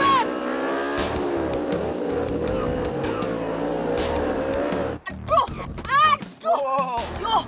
aduh aduh aduh